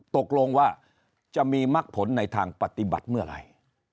ตกลงว่าจะมีมักผลในทางปฏิบัติเมื่อไหร่